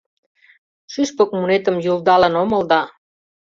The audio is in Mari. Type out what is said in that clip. Шӱшпык мунетым йӱлдалын омыл да